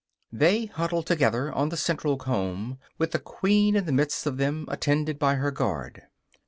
They huddle together on the central comb, with the queen in the midst of them, attended by her guard.